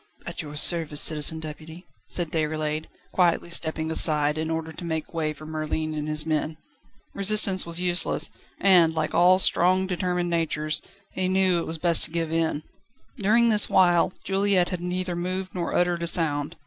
"At your service, Citizen Deputy!" said Déroulède, quietly stepping aside, in order to make way for Merlin and his men. Resistance was useless, and, like all strong, determined natures, he knew when it was best to give in. During this while, Juliette had neither moved nor uttered a sound.